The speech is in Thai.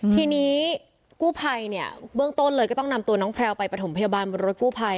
ทีนี้กู้ภัยเนี่ยเบื้องต้นเลยก็ต้องนำตัวน้องแพลวไปประถมพยาบาลบนรถกู้ภัย